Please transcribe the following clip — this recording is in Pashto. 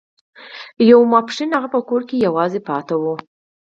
یو ماسپښین هغه په کور کې یوازې پاتې شوی و